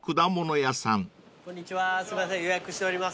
こんにちはすいません予約しております。